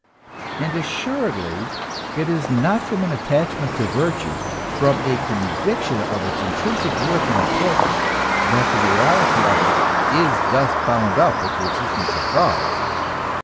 And assuredly it is not from an attach ment to virtue, from a conviction of its intrinsic worth and im portance, that the reality of it is thus bound up with the ex istence of God.